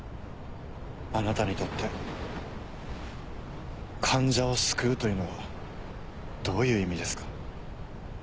あなたにとって患者を救うというのはどういう意味ですか？